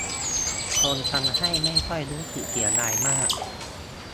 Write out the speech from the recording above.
จนทำให้ไม่ค่อยรู้สึกเสียดายมาก